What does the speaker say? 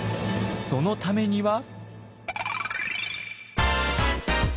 そのためには。